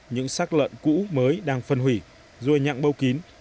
những sát lợn cũ mới đang phân hủy ruôi nhặng bâu kín